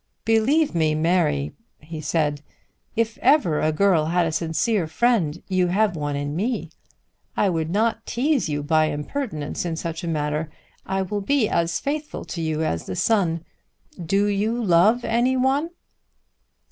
"Believe me, Mary," he said; "if ever a girl had a sincere friend, you have one in me. I would not tease you by impertinence in such a matter. I will be as faithful to you as the sun. Do you love any one?"